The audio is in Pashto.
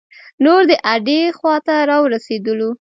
نور د اډې خواته را ورسیدلو.